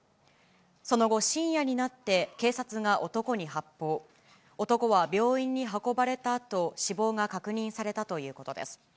その後、深夜になって警察が男に発砲、男は病院に運ばれたあと、死亡が確認されたということです。